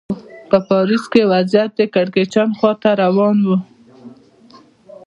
په پاریس کې وضعیت د کړکېچ خوا ته روان و.